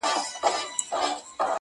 چي ته راځې تر هغو خاندمه، خدایان خندوم~